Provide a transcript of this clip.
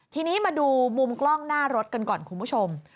ทีนี้มาดูมุมกล้องหน้ารถกันก่อนคุณผู้ชม